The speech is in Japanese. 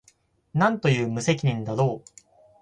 何という無責任だろう